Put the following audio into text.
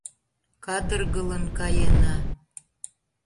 Кадыргылын каена.